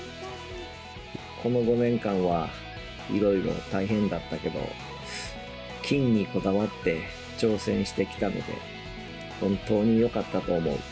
この５年間は、いろいろ大変だったけど、金にこだわって挑戦してきたので、本当によかったと思う。